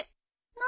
何？